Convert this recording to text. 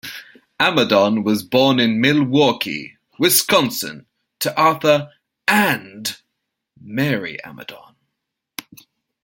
Amadon was born in Milwaukee, Wisconsin to Arthur and Mary Amadon.